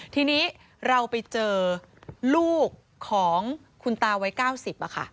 ทีนี้เราไปเจอลูกของคุณตาวัย๙๐ค่ะ